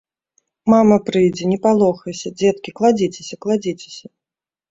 Мама прыйдзе, не палохайся, дзеткі, кладзіся, кладзіся.